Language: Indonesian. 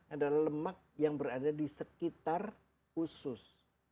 adalah lemak yang berada di sekitar usus